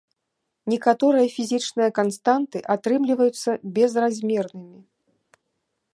Некаторыя фізічныя канстанты атрымліваюцца безразмернымі.